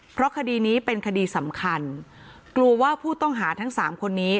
เพราะคดีนี้เป็นคดีสำคัญกลัวว่าผู้ต้องหาทั้งสามคนนี้